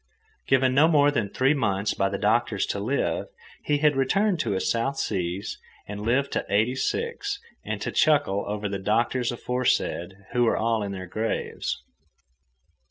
Given no more than three months by the doctors to live, he had returned to his South Seas and lived to eighty six and to chuckle over the doctors aforesaid, who were all in their graves.